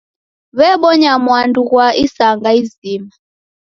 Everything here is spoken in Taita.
W'ebonya mwandu ghwa'wo isanga izima.